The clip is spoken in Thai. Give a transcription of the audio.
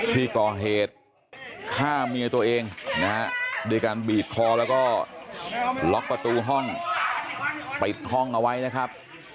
ที่ก่อเหตุฆ่าเมียตัวเองนะฮะด้วยการบีบคอแล้วก็ล็อกประตูห้องปิดห้องเอาไว้นะครับ